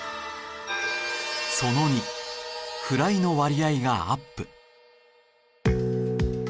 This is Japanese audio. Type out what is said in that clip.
其の二フライの割合がアップ。